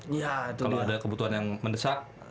kalau ada kebutuhan yang mendesak